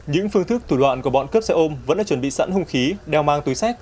những phương thức thủ đoạn của bọn cướp xe ôm vẫn đã chuẩn bị sẵn hung khí đeo mang túi xách